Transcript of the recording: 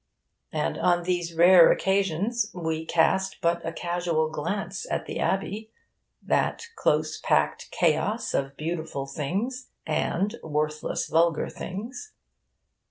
And on these rare occasions we cast but a casual glance at the Abbey that close packed chaos of beautiful things and worthless vulgar things.